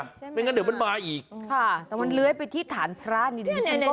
เหมือนกันเดี๋ยวมันมาอีกค่ะแต่มันเลื้อยไปที่ฐานพระนิดนึง